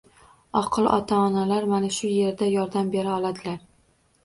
Oqil ota-onalar mana shu yerda yordam bera oladilar!